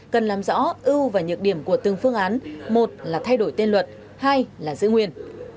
cần làm rõ ưu và nhược điểm của từng phương án một là thay đổi tên luật hai là giữ nguyên